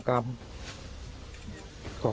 กรรมมนอกกรรม